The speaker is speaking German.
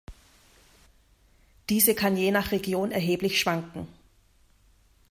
Diese kann je nach Region erheblich schwanken.